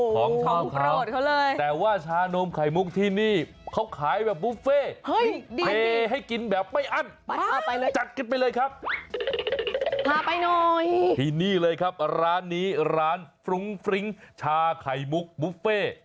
ของชอบเขาเลยแต่ว่าชานมไข่มุกที่นี่เขาขายแบบบุฟเฟ่เทให้กินแบบไม่อั้นไปเลยจัดกันไปเลยครับพาไปหน่อยที่นี่เลยครับร้านนี้ร้านฟรุ้งฟริ้งชาไข่มุกบุฟเฟ่